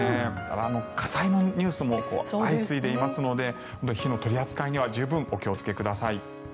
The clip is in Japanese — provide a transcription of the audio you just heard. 火災のニュースも相次いでいますので火の取り扱いには十分お気をつけください。